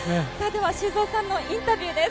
修造さんのインタビューです。